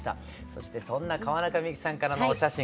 そしてそんな川中美幸さんからのお写真